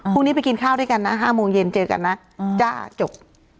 ไปกินข้าวด้วยกันนะ๕โมงเย็นเจอกันนะจ้าจบ